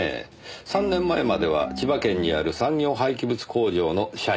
３年前までは千葉県にある産業廃棄物工場の社員でした。